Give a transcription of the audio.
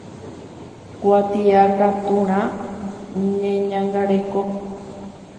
Kuatiakaturã Ñeñangareko.